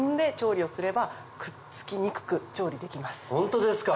ホントですか？